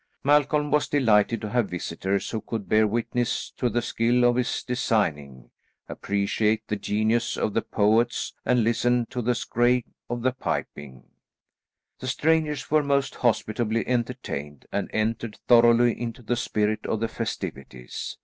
Malcolm was delighted to have visitors who could bear witness to the skill of his designing, appreciate the genius of the poets and listen to the skreigh of the piping. The strangers were most hospitably entertained and entered thoroughly into the spirit of the festivities.